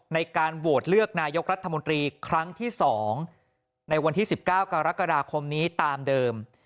ในการโหวตเลือกนายกรัฐมนตรีครั้งที่๒ในวันที่๑๙กรกฎาคมนี้ตามเดิม